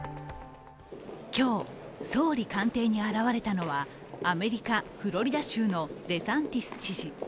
今日、総理官邸に現れたのはアメリカ・フロリダ州のデサンティス知事。